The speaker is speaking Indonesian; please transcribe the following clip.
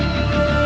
aku akan menang